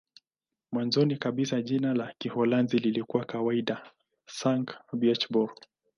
Mwanzoni kabisa jina la Kiholanzi lilikuwa kawaida "Sankt-Pieterburch".